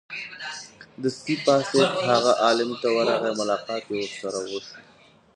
دستې پاڅېد هغه عالم ت ورغی ملاقات یې ورسره وشو.